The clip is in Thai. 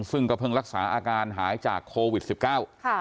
ซึ่งก็เพิ่งรักษาอาการหายจากโควิดสิบเก้าค่ะ